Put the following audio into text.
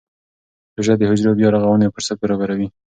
روژه د حجرو بیا رغونې فرصت برابروي.